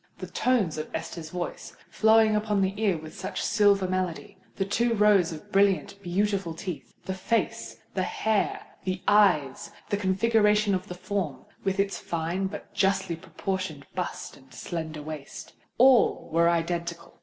The tones of Esther's voice, flowing upon the ear with such silver melody,—the two rows of brilliant, beautiful teeth,—the face—the hair—the eyes,—the configuration of the form, with its fine but justly proportioned bust and slender waist,—all were identical!